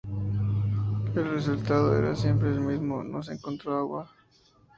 El resultado era siempre el mismo: no se encontró agua.